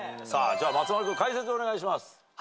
さあ松丸君解説お願いします。